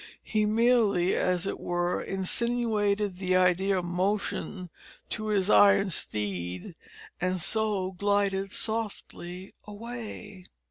He merely as it were insinuated the idea of motion to his iron steed, and so glided softly away.